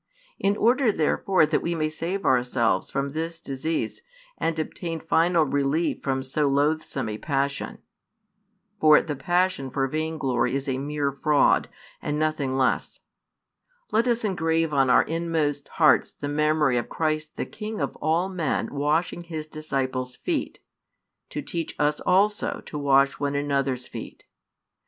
In order therefore that we may save ourselves from this disease, and obtain final relief from so loathsome a passion, for the passion for vain glory is a mere fraud, and nothing less, let us engrave on our inmost hearts the memory of Christ the King of all men washing His disciples' feet, to teach us also to wash one another's feet.